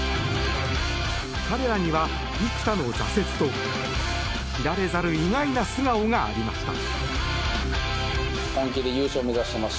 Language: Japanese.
彼らには幾多の挫折と知られざる意外な素顔がありました。